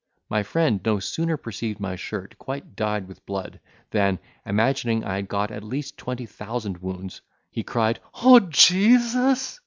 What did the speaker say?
My friend no sooner perceived my shirt quite dyed with blood, than, imagining I had got at least twenty thousand wounds, he cried, "O Jesus!"